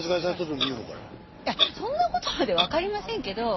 いやそんな事までわかりませんけど